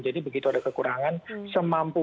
begitu ada kekurangan semampu